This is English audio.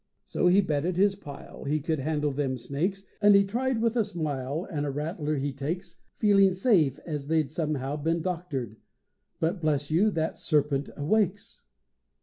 So he betted his pile He could handle them snakes; And he tried, with a smile, And a rattler he takes, Feeling safe as they'd somehow been doctored; but bless you, that sarpent awakes!